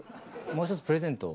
もう１つプレゼント。